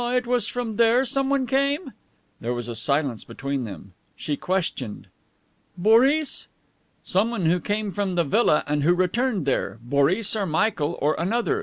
"Ah, it was from there someone came?" There was a silence between them. She questioned: "Boris?" "Someone who came from the villa and who returned there. Boris or Michael, or another.